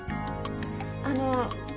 あの。